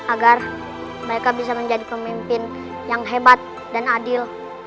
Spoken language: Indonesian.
agar mereka bisa menjadi pemimpin yang hebat dan adil